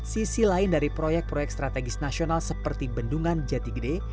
sisi lain dari proyek proyek strategis nasional seperti bendungan jati gede